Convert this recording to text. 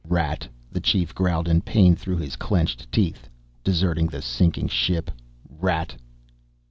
"Rat." The Chief growled in pain through his clenched teeth. "Deserting the sinking ship. Rat."